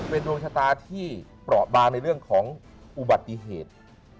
เป็นดวงชะตาที่เปราะบางในเรื่องของอุบัติเหตุ